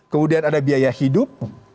kemudian ada biaya hidup